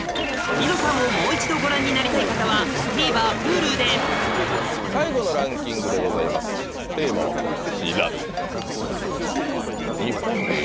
『ニノさん』をもう一度ご覧になりたい方はＴＶｅｒＨｕｌｕで最後のランキングでございますテーマはこちらですね。